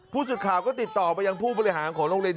ผู้สื่อข่าวก็ติดต่อไปยังผู้บริหารของโรงเรียน